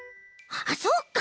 あっそっか！